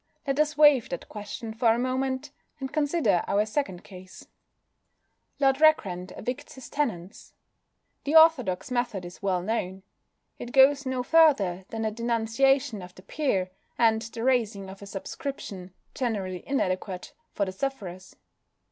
Let us waive that question for a moment, and consider our second case. Lord Rackrent evicts his tenants. The orthodox method is well known. It goes no further than the denunciation of the peer, and the raising of a subscription (generally inadequate) for the sufferers.